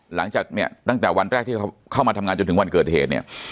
หลังจากเนี่ยตั้งแต่วันแรกที่เขาเข้ามาทำงานจนถึงวันเกิดเหตุเนี่ย